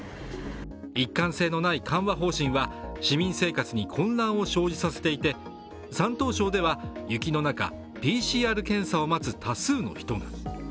一貫性のない緩和方針は市民生活に混乱を生じさせていて山東省では雪の中ＰＣＲ検査を待つ多数の人が。